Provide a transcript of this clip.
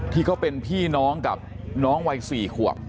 ที่เขาเป็นพี่น้องกับน้องวัย๔ขวบ